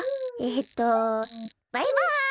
えっとバイバイ！